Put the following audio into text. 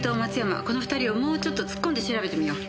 この２人をもうちょっと突っ込んで調べてみよう。